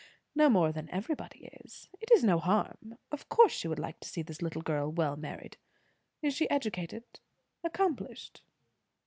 "No more than everybody is; it is no harm; of course she would like to see this little girl well married. Is she educated? Accomplished?"